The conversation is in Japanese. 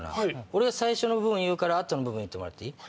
俺が最初の部分言うから後の部分言ってもらっていい？